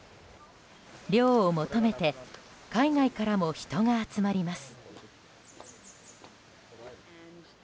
涼を求めて海外からも人が集まります。